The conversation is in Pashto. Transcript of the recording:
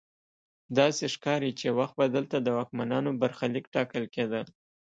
داسې ښکاري چې یو وخت به دلته د واکمنانو برخلیک ټاکل کیده.